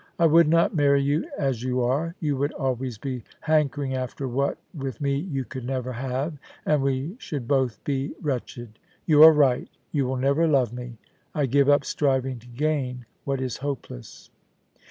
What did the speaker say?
I would not marry you as you are. You would always be hankering after what, with me, you could never have, and we should both be wretched. You are right You will never love me. I give up striving to gain what is hopeless.'